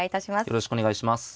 よろしくお願いします。